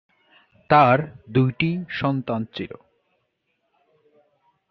তার দুইটি সন্তান ছিল।